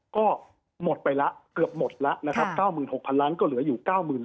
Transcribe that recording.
ก็หมดไปแล้วเกือบหมดแล้วนะครับ๙๖๐๐ล้านก็เหลืออยู่๙๐